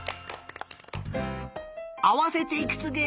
あわせていくつ？